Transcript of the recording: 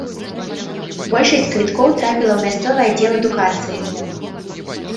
Большасць квіткоў трапіла ў мясцовы аддзел адукацыі.